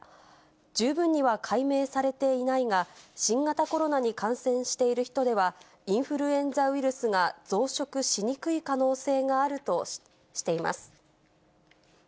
十分には解明されていないが、新型コロナに感染している人では、インフルエンザウイルスが増殖しにくい可能性があるとしています。